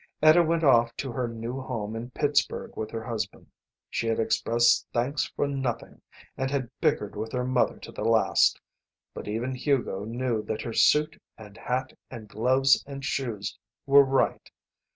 Etta went off to her new home in Pittsburg with her husband. She had expressed thanks for nothing and had bickered with her mother to the last, but even Hugo knew that her suit and hat and gloves and shoes were right.